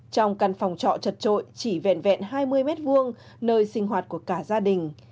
trong căn phòng trọ chật trội chỉ vẹn vẹn hai mươi m hai nơi sinh hoạt của cả gia đình